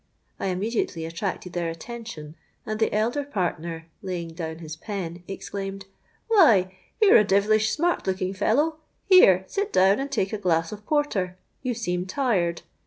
I immediately attracted their attention; and the elder partner, laying down his pen, exclaimed, 'Why, you're a devilish smart looking fellow. Here, sit down and take a glass of porter; you seem tired.